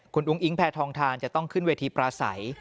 คุณอุ้งอิงแพทองทานจะต้องขึ้นเวทีปลาใส